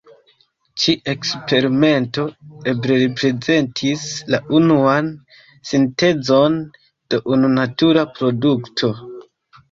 Ĉi-eksperimento eble reprezentis la unuan sintezon de unu natura produkto.